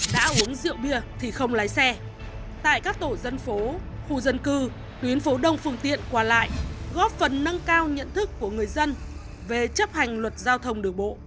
các lực lượng thuộc cục cảnh sát giao thông đã đồng phùng tiện quả lại góp phần nâng cao nhận thức của người dân về chấp hành luật giao thông